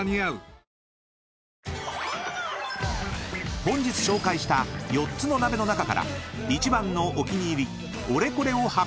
［本日紹介した４つの鍋の中から一番の］